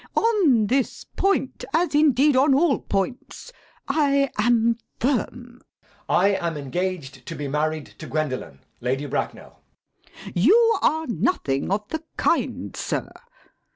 On this point, as indeed on all points, I am firm. JACK. I am engaged to be married to Gwendolen, Lady Bracknell! LADY BRACKNELL. You are nothing of the kind, sir.